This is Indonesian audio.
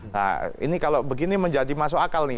nah ini kalau begini menjadi masuk akal nih